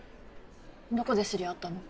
どこで知り合ったの？